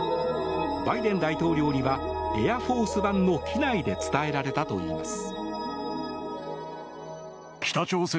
バイデン大統領には「エアフォースワン」の機内で伝えられたといいます。